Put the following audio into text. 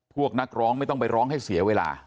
พวกนักร้องไม่ต้องไปร้องให้เสียเวลา